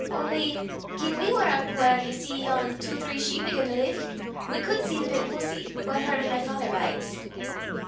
Only gien we war up whaur ye see yon twa three sheep again' the lift (sky), we cud see the bit hoosie whaur her an' my father bides."